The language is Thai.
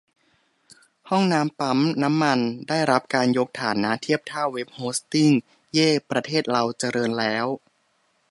ห้องน้ำปั๊มน้ำมัน ได้รับการยกฐานะเทียบเท่า เว็บโฮสติ้ง เย้ ประเทศเราเจริญแล้ว !